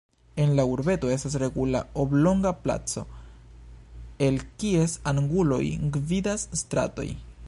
En la urbeto estas regula oblonga placo, el kies anguloj gvidas stratoj.